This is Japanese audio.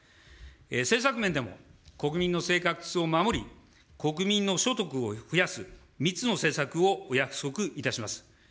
政策面でも国民の生活を守り、国民の所得を増やす、３つの政策をお約束いたします。